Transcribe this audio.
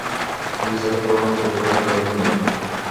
موږ د سړو پر وړاندې بېلابېل غبرګونونه لرو.